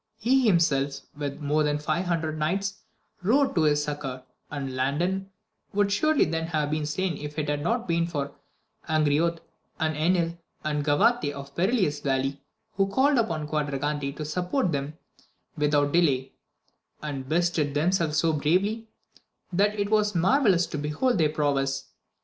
He himself, with more than five hundred knights, rode to his succour, and Landin would surely then have been slain if it had not been for Angriote, and Enil, and Gavarte of the Perilous Valley, who called upon Quadragante to support them without delay, and bestirred themselves so bravely, that it was mar vellous to behold their prowess.